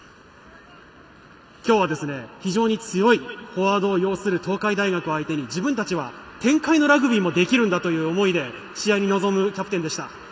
今日は、非常に強いフォワードを擁する東海大学を相手に、自分たちは展開のラグビーもできるんだという思いで試合に臨むキャプテンでした。